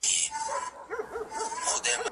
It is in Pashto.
او دا څنګه عدالت دی، ګرانه دوسته نه پوهېږم